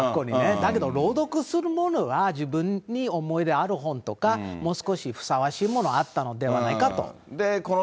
だけど朗読するものは、自分に思い入れある本とか、もう少しふさわしいものあったのではないかと。